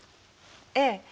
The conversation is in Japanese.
ええ。